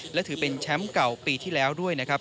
และถือเป็นแชมป์เก่าปีที่แล้วด้วยนะครับ